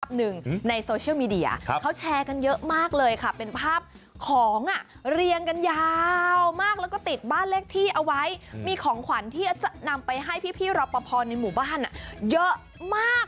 ภาพหนึ่งในโซเชียลมีเดียเขาแชร์กันเยอะมากเลยค่ะเป็นภาพของอ่ะเรียงกันยาวมากแล้วก็ติดบ้านเลขที่เอาไว้มีของขวัญที่จะนำไปให้พี่พี่รับประพอมในหมู่บ้านอ่ะเยอะมาก